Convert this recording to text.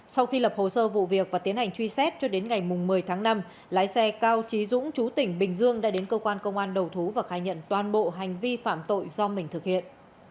sau khi lập hồ sơ vụ việc và tiến hành truy xét cho đến ngày một mươi tháng năm lái xe cao trí dũng chú tỉnh bình dương đã đến cơ quan công an đầu thú và khai nhận toàn bộ hành vi phạm tội do mình thực hiện